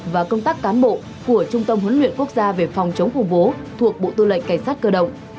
và công tác cán bộ của trung tâm huấn luyện quốc gia về phòng chống khủng bố thuộc bộ tư lệnh cảnh sát cơ động